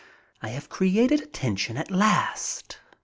I have created attention at last.